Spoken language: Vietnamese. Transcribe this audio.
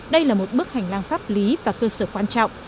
đây là một bước hành lang pháp lý và cơ sở quan trọng